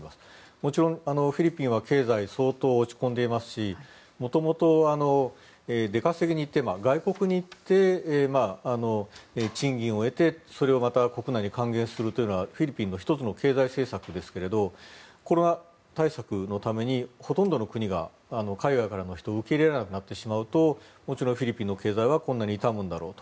もちろんフィリピンは経済、相当落ち込んでいますし元々、出稼ぎに行って外国に行って賃金を得てまたそれを国内に還元するというのがフィリピンの１つの経済政策ですがコロナ対策のためにほとんどの国が海外からの人を受け入れなくなってしまうともちろんフィリピンの経済はこんなに傷むんだろうと。